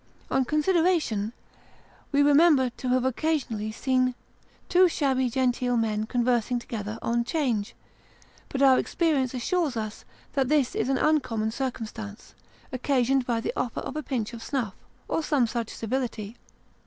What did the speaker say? On con sideration, we remember to have occasionally seen two shabby genteel men conversing together on 'Change, but our experience assures us that this is an uncommon circumstance, occasioned by the offer of a pinch of snuff, or some such civility.